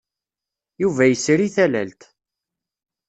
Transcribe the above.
Yuba yesri tallalt.